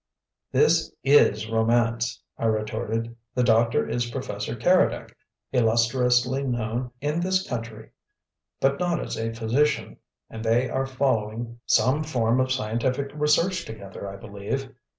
"This IS romance!" I retorted. "The doctor is Professor Keredec, illustriously known in this country, but not as a physician, and they are following some form of scientific research together, I believe.